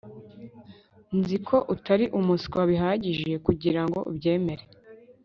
Nzi ko utari umuswa bihagije kugirango ubyemere